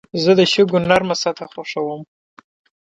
زه د شګو نرمه سطحه خوښوم.